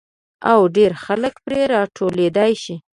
او ډېر خلک پرې را ټولېدای شي.